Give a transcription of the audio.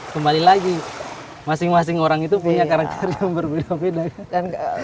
kembali lagi masing masing orang itu punya karakter yang berbeda beda ya kan